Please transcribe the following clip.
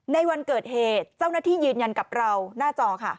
ในวันเกิดเหตุเจ้าหน้าที่ยืนยันกับเราหน้าจอค่ะ